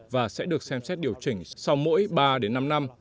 và sẽ được xem xét điều chỉnh sau mỗi ba đến năm năm